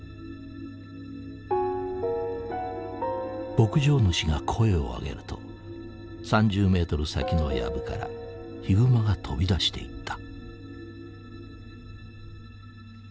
牧場主が声を上げると３０メートル先のヤブからヒグマが飛び出していった。